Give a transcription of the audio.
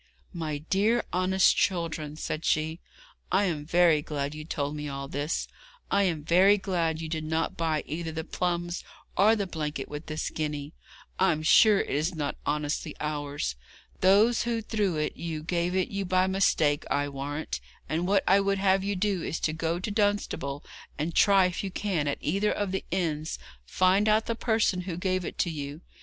'My dear honest children,' said she, 'I am very glad you told me all this. I am very glad that you did not buy either the plums or the blanket with this guinea. I'm sure it is not honestly ours. Those who threw it you gave it you by mistake, I warrant, and what I would have you do is to go to Dunstable, and try if you can at either of the inns find out the person who gave it to you.